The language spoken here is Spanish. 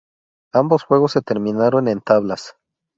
Ambos juegos se terminaron en tablas.